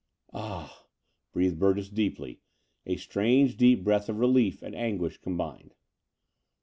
Ah," breathed Burgess deeply, a strange deep breath of relief and anguish combined.